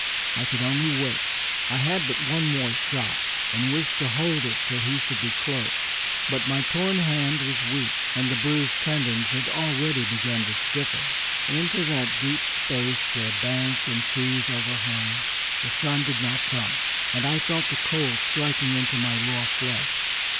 I could only wait. I had but one more shot, and wished to hold it till he should be close; but my torn hand was weak, and the bruised tendons had already begun to stiffen. Into that deep place, where bank and trees overhung, the sun did not come, and I felt the cold striking into my raw flesh.